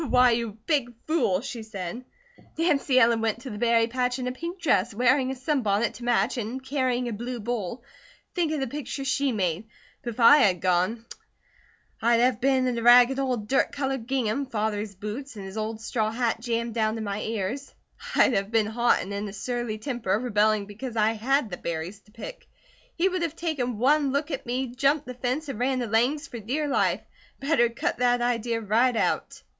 "Why, you big fool!" she said. "Nancy Ellen went to the berry patch in a pink dress, wearing a sunbonnet to match, and carrying a blue bowl. Think of the picture she made! But if I had gone, I'd have been in a ragged old dirt coloured gingham, Father's boots, and his old straw hat jammed down to my ears; I'd have been hot and in a surly temper, rebelling because I had the berries to pick. He would have taken one look at me, jumped the fence, and run to Lang's for dear life. Better cut that idea right out!"